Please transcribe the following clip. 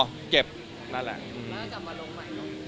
แล้วก็กลับมาลงใหม่